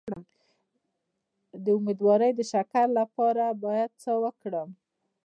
د امیدوارۍ د شکر لپاره باید څه وکړم؟